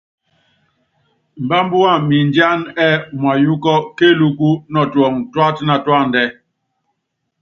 Mbábá wamɛ mindiána ɛ́ɛ́ umayuúkɔ́ kélúku nɔtuɔŋɔ tuátanatúádɛ.